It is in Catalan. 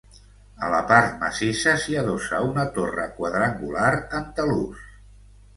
A la part massissa s'hi adossa una torre quadrangular, en talús.